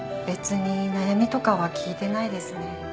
別に悩みとかは聞いてないですね。